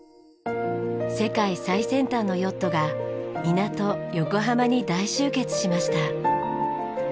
世界最先端のヨットが港横浜に大集結しました。